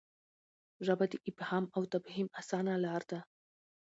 ژبه د افهام او تفهیم اسانه لار ده.